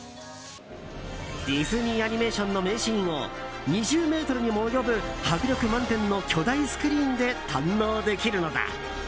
ディズニー・アニメーションの名シーンを２０ｍにも及ぶ迫力満点の巨大スクリーンで堪能できるのだ。